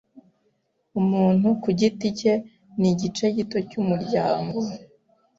Umuntu ku giti cye nigice gito cyumuryango.